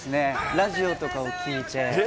ラジオとかを聞いて。